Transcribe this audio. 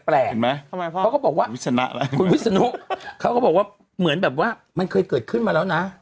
เขาก็บอกว่าคุณวิศนุเขาก็บอกว่าเหมือนแบบว่ามันเคยเกิดขึ้นมาแล้วนะ